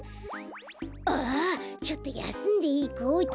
ああちょっとやすんでいこうっと。